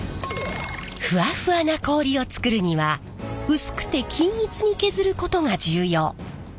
ふわふわな氷を作るにはうすくて均一に削ることが重要。